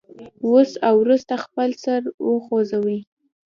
اوس او وروسته خپل سر وخوځوئ.